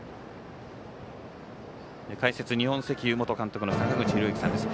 解説、日本石油元監督の坂口裕之さんです。